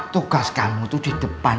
tugas kamu itu di depan